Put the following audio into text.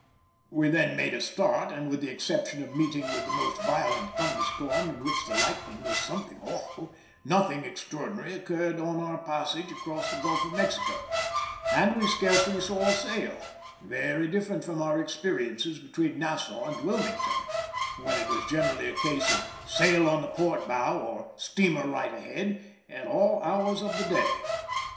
We then made a start, and with the exception of meeting with the most violent thunderstorm, in which the lightning was something awful, nothing extraordinary occurred on our passage across the Gulf of Mexico, and we scarcely saw a sail—very different from our experiences between Nassau and Wilmington, when it was generally a case of "sail on the port bow" or "steamer right ahead" at all hours of the day.